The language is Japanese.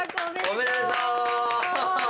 おめでとう！